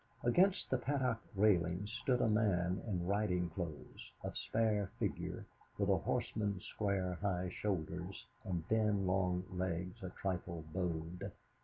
Against the Paddock railings stood a man in riding clothes, of spare figure, with a horseman's square, high shoulders, and thin long legs a trifle bowed.